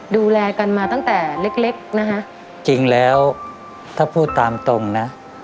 ดูแลกันมาตั้งแต่เล็กเล็กนะคะจริงแล้วถ้าพูดตามตรงนะ